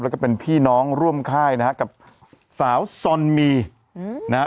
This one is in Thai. แล้วก็เป็นพี่น้องร่วมค่ายนะฮะกับสาวซอนมีนะฮะ